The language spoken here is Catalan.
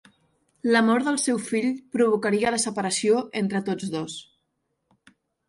La mort del seu fill provocaria la separació entre tots dos.